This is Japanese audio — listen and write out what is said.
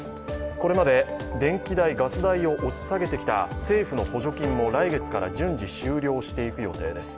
これまで電気代・ガス代を押し下げてきた政府の補助金も来月から順次終了していく予定です。